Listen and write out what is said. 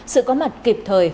sự có mặt kịp thời